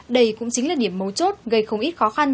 đây cũng chính là điểm mấu chốt gây không ít khó khăn